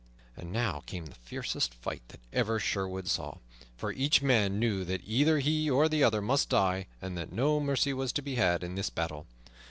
And now came the fiercest fight that ever Sherwood saw; for each man knew that either he or the other must die, and that no mercy was to be had in this battle.